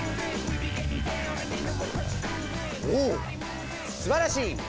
おすばらしい！